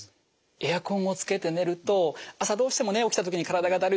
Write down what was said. エアコンをつけて寝ると朝どうしてもね起きた時に体がだるい。